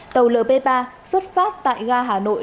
tàu lp ba xuất phát tại ga hà nội